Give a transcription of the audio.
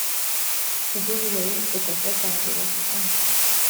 igihugu cya egiputa cyatangiye urugamba